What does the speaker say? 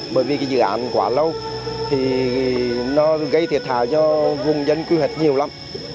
bởi vì dự án quá lâu thì nó gây thiệt hại cho vùng dân quy hoạch nhiều lắm